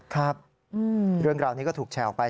ครับเรื่องราวนี้ก็ถูกแชร์ออกไป